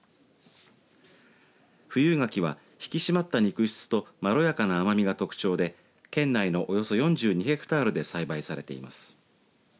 富有柿は、引き締まった肉質とまろやかな甘みが特徴で県内のおよそ４２ヘクタールで栽培されています。